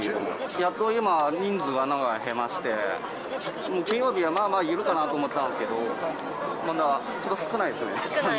やっと今人数が減りまして、金曜日はまあまあいるかなと思ったんですけど、まだ人少ないですね。